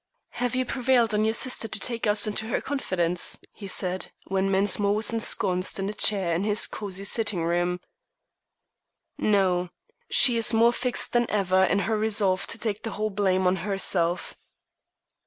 "Have you prevailed on your sister to take us into her confidence?" he said, when Mensmore was ensconced in a chair in his cosy sitting room. "No. She is more fixed than ever in her resolve to take the whole blame on herself."